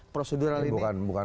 prosedural ini bukan